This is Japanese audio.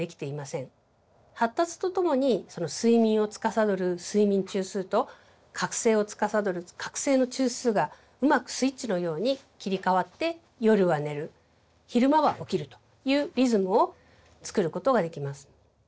発達とともにその睡眠をつかさどる睡眠中枢と覚醒をつかさどる覚醒の中枢がうまくスイッチのように切り替わって夜は寝る昼間は起きるというリズムをつくることができます。